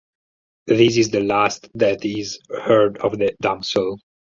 This is the last that is heard of the Damsel.